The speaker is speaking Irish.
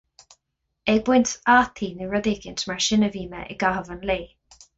Ag baint fhataí nó rud eicínt mar sin a bhí mé i gcaitheamh an lae.